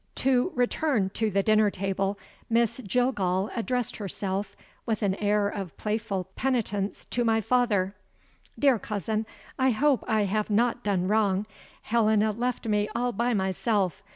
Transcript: To return to the dinner table, Miss Jillgall addressed herself, with an air of playful penitence, to my father. "Dear cousin, I hope I have not done wrong. Helena left me all by myself.